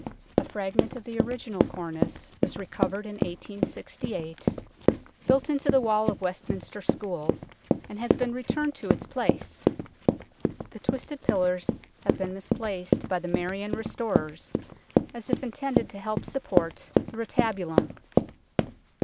A fragment of the original cornice was recovered in 1868, built into the wall of Westminster School, and has been returned to its place. The twisted pillars have been mis placed by the Marian restorers as if intended to help support the retabulum.